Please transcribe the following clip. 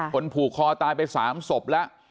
ผูกคอตายไป๓ศพแล้ว